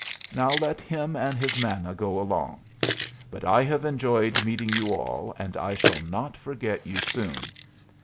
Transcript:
"Now let him and his manna go along. But I have enjoyed meeting you all, and I shall not forget you soon.